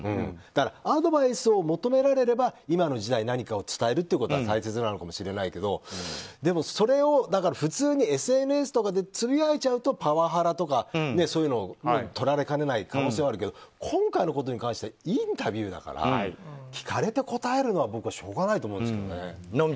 アドバイスを求められれば今の時代、何かを伝えることは大切なのかもしれないけどでも、それを普通にＳＮＳとかでつぶやいちゃうとパワハラとかにとられかねない可能性があるけど今回のことに関してはインタビューだから聞かれて答えるのはしょうがないと思うけどね。